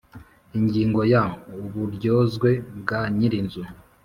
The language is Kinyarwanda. Ingingo ya Uburyozwe bwa nyirinzu